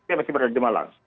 dia masih berada di malang